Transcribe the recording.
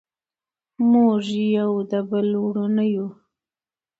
موږ یو د بل وروڼه یو.